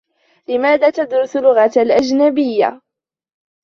لماذا تدرس لغة أجنبية ؟